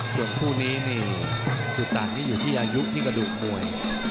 ส่วนคู่นี้นี่จุดต่างนี่อยู่ที่อายุที่กระดูกมวย